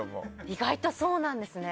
意外とそうなんですね。